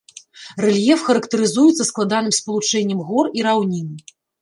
Рэльеф характарызуецца складаным спалучэннем гор і раўнін.